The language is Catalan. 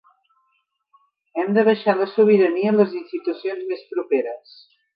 Hem de baixar la sobirania a les institucions més properes.